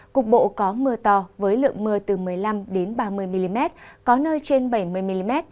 cục bộ có mưa to với lượng mưa từ một mươi năm ba mươi mm có nơi trên bảy mươi mm